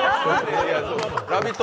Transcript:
「ラヴィット！」